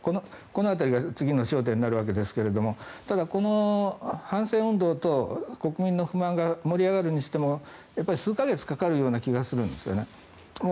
この辺りが次の焦点になるわけですけどただ、この反戦運動と国民の不満が盛り上がるにしてもやっぱり数か月かかるような気がするんですよね。